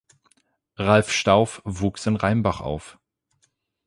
Ralf Stauf wuchs in Rheinbach auf.